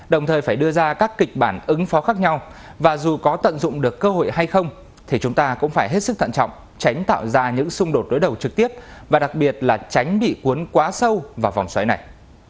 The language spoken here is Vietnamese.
đồng thời phải đưa ra các kịch bản ứng phó khác nhau và dù có tận dụng được cơ hội hay không thì chúng ta cũng phải hết sức thận trọng tránh tạo ra những xung đột đối đầu trực tiếp và đặc biệt là tránh bị cuốn quá sâu vào vòng xoáy này